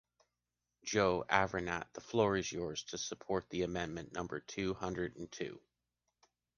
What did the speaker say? Joël Aviragnet, the floor is yours, to support the amendment number two hundred and two.